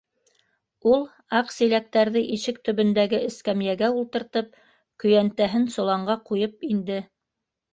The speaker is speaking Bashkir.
Ул, аҡ силәктәрҙе ишек төбөндәге эскәмйәгә ултыртып, көйәнтәһен соланға ҡуйып инде.